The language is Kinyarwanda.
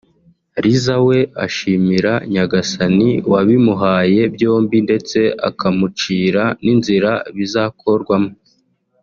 Liza we ashimira Nyagasani wabimuhaye byombi ndetse akamucira n’inzira bizakorwamo